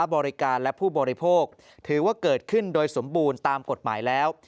บริการและผู้บริโภคถือว่าเกิดขึ้นโดยสมบูรณ์ตามกฎหมายแล้ว